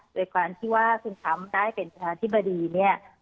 ด้วยความว่าคือซึ่งทำได้เป็นประทานที่บริษัท